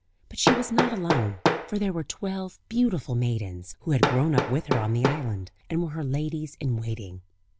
But she was not alone; for there were twelve beautiful maidens, who had grown up with her on the island, and were her ladies in waiting.